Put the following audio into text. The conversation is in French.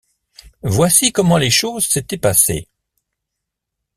Voici comment les choses s’étaient passées.